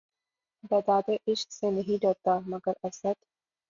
بیدادِ عشق سے نہیں ڈرتا، مگر اسد!